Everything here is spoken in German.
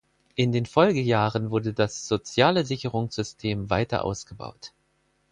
In den Folgejahren wurde das soziale Sicherungssystem weiter ausgebaut.